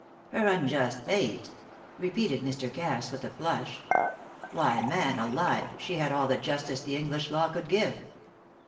"Her unjust fate!" repeated Mr. Cass, with a flush. "Why, man alive, she had all the justice the English law could give."